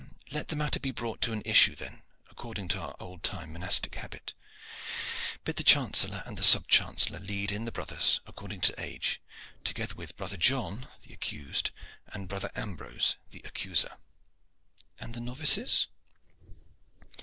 "Let the matter be brought to an issue then according to our old time monastic habit. Bid the chancellor and the sub chancellor lead in the brothers according to age, together with brother John, the accused, and brother Ambrose, the accuser." "And the novices?"